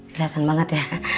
relatan banget ya